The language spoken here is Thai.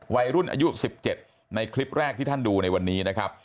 อายุ๑๗ในคลิปแรกที่ท่านดูในวันนี้นะครับ